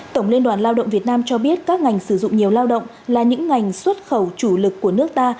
tổng liên đoàn lao động việt nam cho biết các ngành sử dụng nhiều lao động là những ngành xuất khẩu chủ lực của nước ta